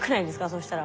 そしたら。